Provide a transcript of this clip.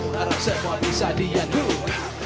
harap semua bisa diandung